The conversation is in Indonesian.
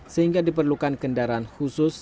sehingga diperlukan kendaraan khusus